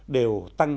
điều tăng tám